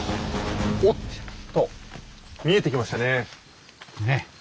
おっと見えてきましたね。